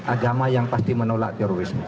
agama yang pasti menolak terorisme